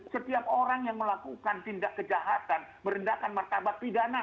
setiap orang yang melakukan tindak kejahatan merendahkan martabat pidana